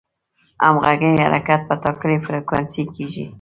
همغږي حرکت په ټاکلې فریکونسي کېږي.